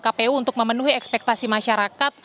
dilakukan oleh kpu untuk memenuhi ekspektasi masyarakat